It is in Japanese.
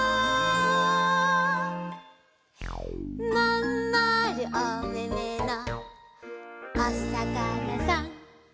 「まんまるおめめのおさかなさん」